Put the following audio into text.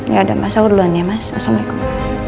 ya udah mas aku duluan ya mas assalamualaikum